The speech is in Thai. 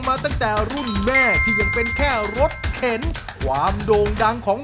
มาตั้งแต่รุ่นแม่ที่ยังเป็นแค่รถเข็นความโด่งดังของ